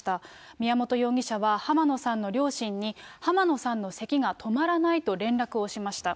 宮本容疑者は浜野さんの両親に、浜野さんのせきが止まらないと連絡をしました。